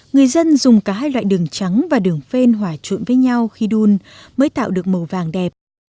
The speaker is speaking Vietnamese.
người dân dùng cả hai loại đường trắng và đường phên hỏa chuộng với nhau khi đun mới tạo được màu vàng đẹp